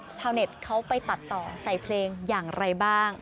ชาวเน็ตเขาไปตัดต่อใส่เพลงอย่างไรบ้าง